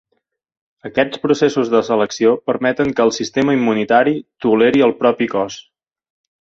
Aquests processos de selecció permeten que el sistema immunitari toleri el propi cos.